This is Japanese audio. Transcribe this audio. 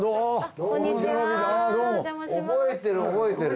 覚えてる覚えてる。